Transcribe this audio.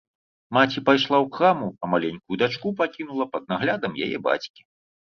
Маці пайшла ў краму, а маленькую дачку пакінула пад наглядам яе бацькі.